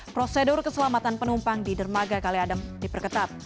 prosedur keselamatan penumpang di dermaga kaliadem diperketat